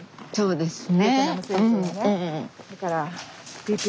そうですよね。